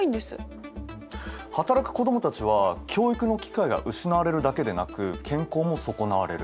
働く子どもたちは教育の機会が失われるだけでなく健康も損なわれる。